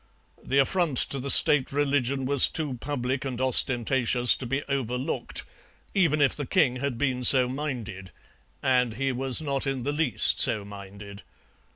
The affront to the State religion was too public and ostentatious to be overlooked, even if the king had been so minded, and he was not in the least so minded.